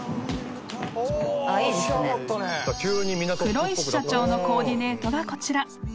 ［黒石社長のコーディネートがこちら］